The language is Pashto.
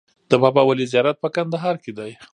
د بابای ولي زیارت په کندهار کې دی